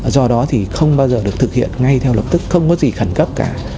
do đó thì không bao giờ được thực hiện ngay theo lập tức không có gì khẩn cấp cả